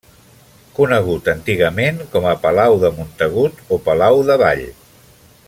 Conegut antigament com a Palau de Montagut o Palau d'Avall.